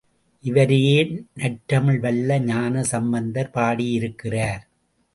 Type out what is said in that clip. இவரையே நற்றமிழ் வல்ல ஞான சம்பந்தர் பாடியிருக்கிறார்.